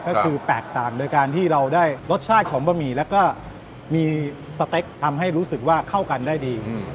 ก็คือแตกต่างโดยการที่เราได้รสชาติของบะหมี่แล้วก็มีสเต็กทำให้รู้สึกว่าเข้ากันได้ดี